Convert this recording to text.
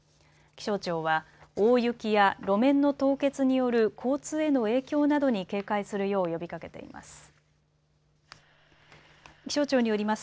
気象庁は大雪や路面の凍結による交通への影響などに警戒するよう呼びかけています。